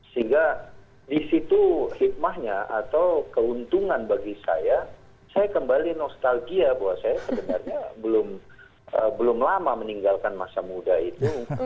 sehingga disitu hikmahnya atau keuntungan bagi saya saya kembali nostalgia bahwa saya sebenarnya belum lama meninggalkan masa muda itu